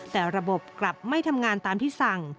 แต่ระบบกลับไม่ทำงานตามที่สั่ง